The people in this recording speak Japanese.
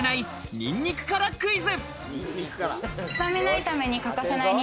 ニンニクからクイズ。